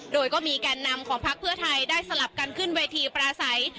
โดยก็มีแก่นนำของพักเพื่อไทยได้สลับกันขึ้นเวทีปราศัย